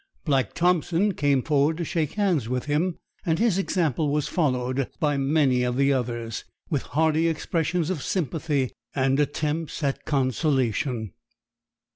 Black Thompson came forward to shake hands with him, and his example was followed by many of the others, with hearty expressions of sympathy and attempts at consolation.